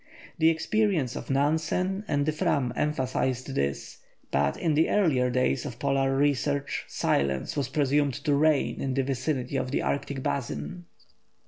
The experience of Nansen and the Fram emphasised this, but in the earlier days of Polar research silence was presumed to reign in the vicinity of the Arctic basin.